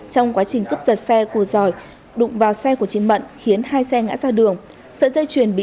trong quá trình cướp giật xe của giỏi đụng vào xe của chị mận khiến hai xe ngã ra đường